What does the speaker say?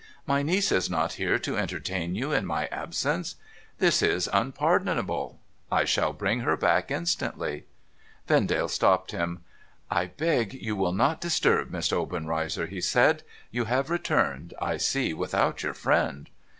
My niece is not here to entertain you in my absence ? This is unpardonable. I shall bring her back instantly.' Vendale stopped him. ' I beg you will not disturb Miss Obenreizer,' he said. ' You have returned, I see, without your friend